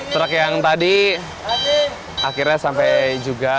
truk yang tadi akhirnya sampai juga